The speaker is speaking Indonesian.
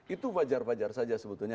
itu wajar wajar saja sebetulnya